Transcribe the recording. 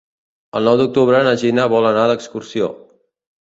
El nou d'octubre na Gina vol anar d'excursió.